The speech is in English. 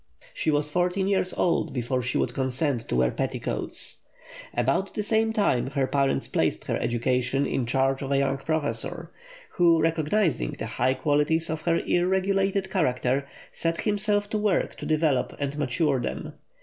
She was fourteen years old before she would consent to wear petticoats. About the same time her parents placed her education in charge of a young professor, who, recognizing the high qualities of her ill regulated character, set himself to work to develop and mature them.